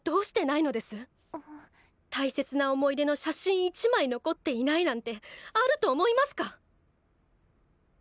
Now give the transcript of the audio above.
大切な思い出の写真一枚残っていないなんてあると思いますか